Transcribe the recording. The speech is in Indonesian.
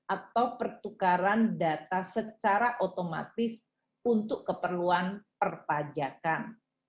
atau pertukaran data secara otomatis untuk keperluan perpajakan